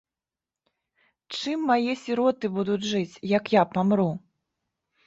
Чым мае сіроты будуць жыць, як я памру?